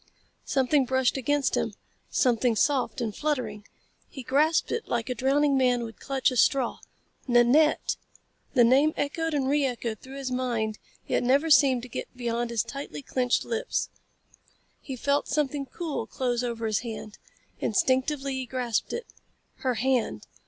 Something brushed against him something soft and fluttering. He grasped it like a drowning man would clutch a straw. "Nanette!" The name echoed and re echoed through his mind yet never seemed to get beyond his tightly clenched lips. He felt something cool close over his hand. Instinctively he grasped it. Her hand.